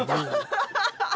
アハハハハ！